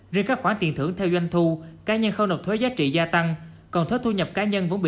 riêng các khoản tiền thưởng theo doanh thu cá nhân không nộp thuế giá trị gia tăng